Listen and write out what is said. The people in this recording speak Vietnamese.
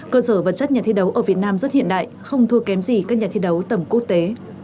cơ sở vật chất nhà thi đấu ở việt nam rất hiện đại không thua kém gì các nhà thi đấu tầm quốc tế